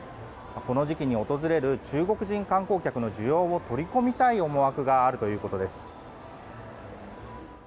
この時期に訪れる中国人観光客の需要を取り込みたい思惑があるということです。